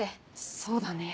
そうだね。